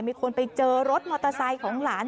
มีคนไปเจอรถมอเตอร์ไซค์ของหลาน